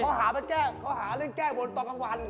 พ่อพ่อเค้าหารุดแก้วนตอนกลางวัน